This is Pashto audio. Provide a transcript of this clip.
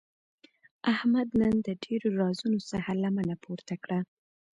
احمد نن د ډېرو رازونو څخه لمنه پورته کړه.